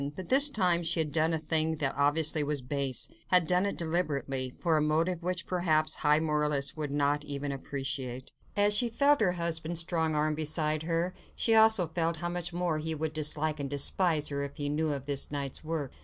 But this time she had done a thing that obviously was base, had done it deliberately, for a motive which, perhaps, high moralists would not even appreciate. And as she felt her husband's strong arm beside her, she also felt how much more he would dislike and despise her, if he knew of this night's work.